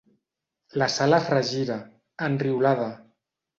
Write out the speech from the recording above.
La Sal es regira, enriolada.